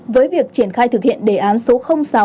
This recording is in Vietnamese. với việc triển khai thực hiện đề án số sáu